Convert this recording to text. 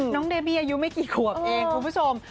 น้องเดมี่อายุไม่กี่ขวบเองคุณผู้ชม